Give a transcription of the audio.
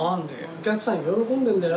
お客さん喜んでるんだよ。